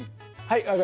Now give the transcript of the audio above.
はい！